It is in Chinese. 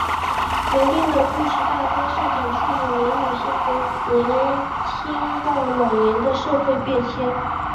原定的故事大纲是讲述五位女性从年青到老年的社会变迁。